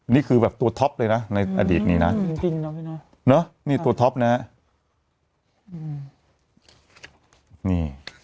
นี่คือแบบตัวท็อปเลยนะในอดีตนี้นะนี่ตัวท็อปนะฮะ